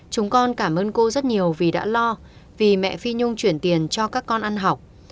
chúng con cảm ơn cô rất nhiều vì đã lo vì mẹ phi nhung chuyển tiền cho các con ăn học